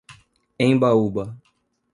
Embaúba